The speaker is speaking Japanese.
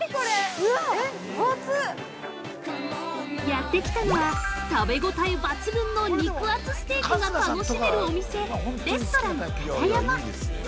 ◆やってきたのは、食べ応え抜群の肉厚ステーキが楽しめるお店「レストランカタヤマ」。